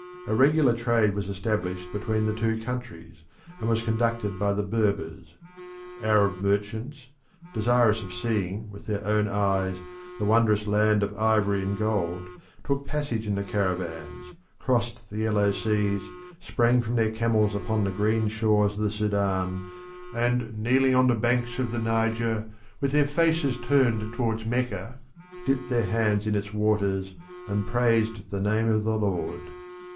A regular trade was established between the two countries, and was conducted by the Berbers. Arab merchants, desirous of seeing with their own eyes the wondrous land of ivory and gold, took passage in the caravans, crossed the yellow seas, sprang from their camels upon the green shores of the Sudan, and kneeling on the banks of the Niger with their faces turned towards Mecca, dipped their hands in its waters and praised the name of the Lord.